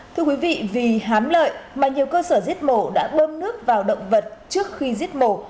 thưa quý vị vì hám lợi mà nhiều cơ sở giết mổ đã bơm nước vào động vật trước khi giết mổ